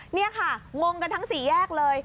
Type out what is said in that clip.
นี่ค่ะงงกันทั้งสี่แยกเลย